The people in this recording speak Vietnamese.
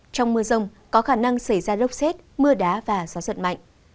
trong mưa rông có khả năng xảy ra lốc xét mưa đá và gió giật mạnh